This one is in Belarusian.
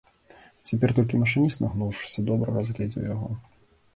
І цяпер толькі машыніст, нагнуўшыся, добра разгледзеў яго.